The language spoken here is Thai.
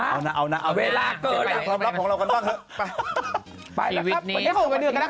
เอานะเอานะเอาเวลาเกินละพร้อมรับของเรากันบ้างเถอะไปเอาหน่าเอาหน่า